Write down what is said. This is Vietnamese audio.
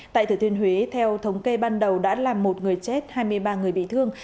tại thừa thiên huế theo thống kê ban đầu đã làm một người chết hai mươi ba người bị thương